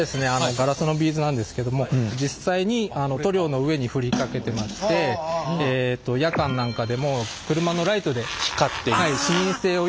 ガラスのビーズなんですけども実際に塗料の上に振りかけてまして夜間なんかでも車のライトで光って視認性をよくするためにまいています。